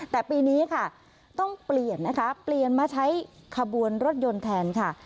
แต่ปีนี้ค่ะต้องเปลี่ยนนะคะเปลี่ยนมาใช้ขบวนรถยนต์แทนค่ะ